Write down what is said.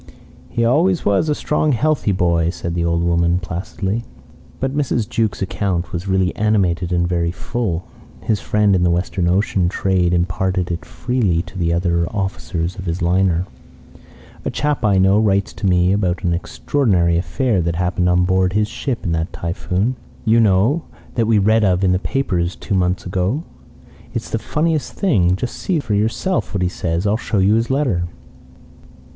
"He always was a strong healthy boy," said the old woman, placidly. But Mr. Jukes' account was really animated and very full. His friend in the Western Ocean trade imparted it freely to the other officers of his liner. "A chap I know writes to me about an extraordinary affair that happened on board his ship in that typhoon you know that we read of in the papers two months ago. It's the funniest thing! Just see for yourself what he says. I'll show you his letter."